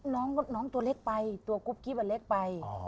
น้องตัวเล็กไปตัวกุ๊บกิ๊บอันเล็กไป